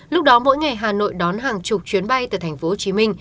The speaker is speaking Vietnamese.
lúc đó mỗi ngày hà nội đón hàng chục chuyến bay từ tp hcm